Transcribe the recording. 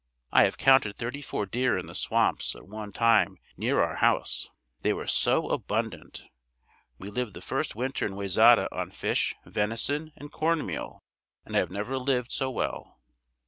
I have counted thirty four deer in the swamps at one time near our house; they were so abundant. We lived the first winter in Wayzata on fish, venison and corn meal and I have never lived so well.